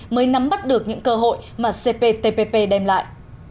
mới nắm bắt được những cơ hội mà cptpp đem lại